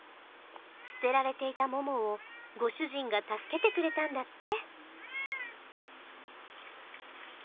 捨てられていたモモをご主人が助けてくれたんだって。